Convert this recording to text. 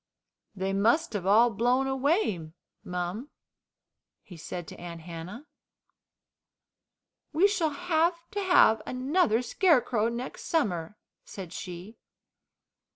"They must have all blown away, mum," he said to Aunt Hannah. "We shall have to have another scarecrow next summer," said she.